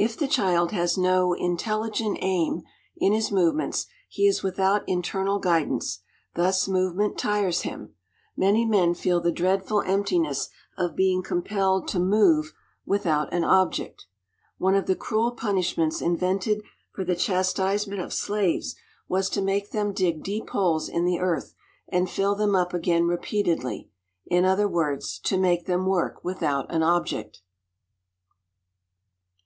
If the child has no "intelligent aim" in his movements, he is without internal guidance, thus movement tires him. Many men feel the dreadful emptiness of being compelled to "move without an object." One of the cruel punishments invented for the chastisement of slaves was to make them dig deep holes in the earth and fill them up again repeatedly, in other words, to make them work without an object.